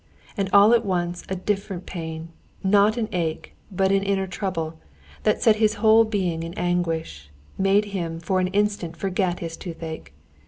And all at once a different pain, not an ache, but an inner trouble, that set his whole being in anguish, made him for an instant forget his toothache.